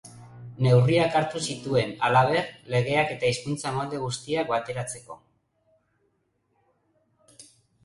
Neurriak hartu zituen, halaber, legeak eta hizkuntza-molde guztiak bateratzeko.